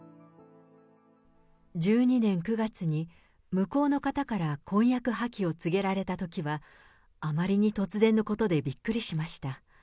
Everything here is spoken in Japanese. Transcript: １２年９月に向こうの方から婚約破棄を告げられたときは、あまりに突然のことでびっくりしました。